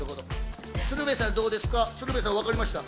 鶴瓶さんどうでした？